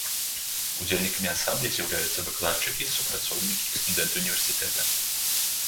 Удзельнікамі ансамбля з'яўляюцца выкладчыкі, супрацоўнікі і студэнты ўніверсітэта.